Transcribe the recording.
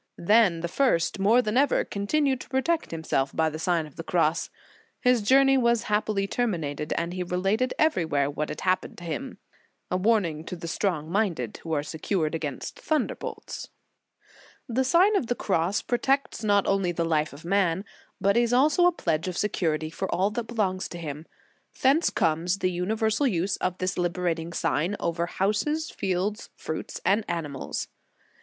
Then the first, more than ever, continued to protect himself by the Sign of the Cross. * Lib 50, Hoinil., homil. 21. t Lib. ii. Miracul. S. Martin, c. 45. In the Nineteenth Century. 189 His journey was happily terminated, and he related everywhere what had happened to him.* A warning to the strong minded, who are secured against thunderbolts. The Sign of the Cross protects not only the life of man, but is also a pledge of secur ity for all that belongs to him. Thence comes the universal use of this liberating sign over houses, fields, fruits and animals.